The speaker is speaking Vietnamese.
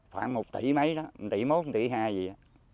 khoảng một tỷ mấy đó một tỷ mốt một tỷ hai gì đó